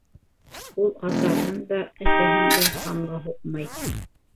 Ул атаһын да, әсәһен дә һанға һуҡмай.